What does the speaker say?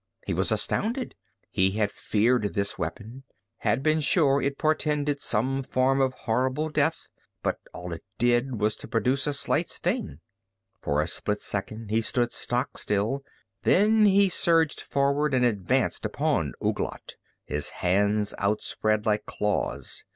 He was astounded. He had feared this weapon, had been sure it portended some form of horrible death. But all it did was to produce a slight sting. For a split second he stood stock still, then he surged forward and advanced upon Ouglat, his hands outspread like claws.